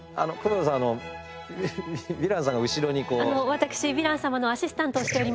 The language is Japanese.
私ヴィラン様のアシスタントをしております